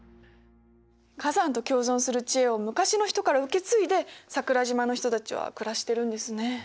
火山と共存する知恵を昔の人から受け継いで桜島の人たちは暮らしてるんですね。